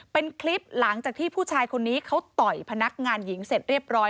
เป็นคลิปหลังจากที่ผู้ชายคนนี้เขาต่อยพนักงานหญิงเสร็จเรียบร้อย